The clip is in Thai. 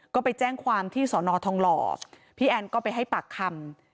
ก็ไปแจ้งความที่สอนอทองหล่อพี่แอนก็ไปให้ปากคำ